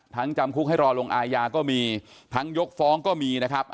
จำคุกให้รอลงอาญาก็มีทั้งยกฟ้องก็มีนะครับ